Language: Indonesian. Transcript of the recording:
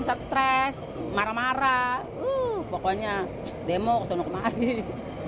stres marah marah pokoknya demo kesini kemarin